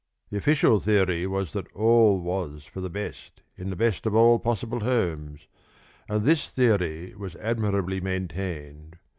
The official theory was that all was for the best in the best of all possible homes, and this theory was admirably maintained.